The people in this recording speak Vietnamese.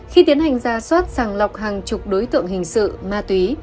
khi tiến hành ra soát sàng lọc hàng chục đối tượng hình sự ma túy